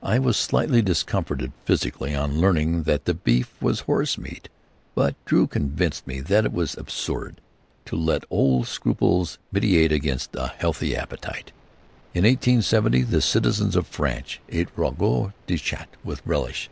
I was slightly discomfited physically on learning that the beef was horse meat, but Drew convinced me that it was absurd to let old scruples militate against a healthy appetite. In 1870 the citizens of France ate ragoût de chat with relish.